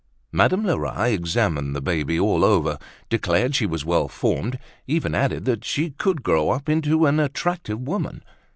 Madame Lerat examined the baby all over, declared she was well formed, even added that she could grow up into an attractive woman.